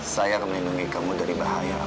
saya akan melindungi kamu dari bahaya